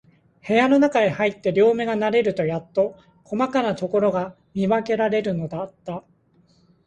部屋のなかへ入って、両眼が慣れるとやっと、こまかなところが見わけられるのだった。